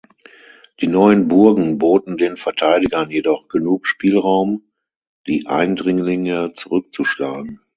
Die neuen Burgen boten den Verteidigern jedoch genug Spielraum, die Eindringlinge zurückzuschlagen.